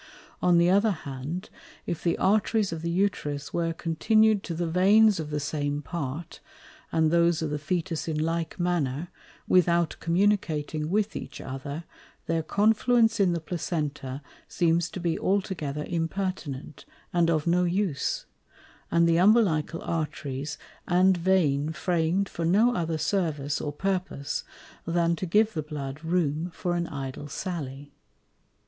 On the other hand, if the Arteries of the Uterus were continued to the Veins of the same part, and those of the Fœtus in like manner, without communicating with each other, their Confluence in the Placenta seems to be altogether impertinent, and of no use, and the Umbilical Arteries and Vein fram'd for no other Service or Purpose, than to give the Blood room for an idle Sally.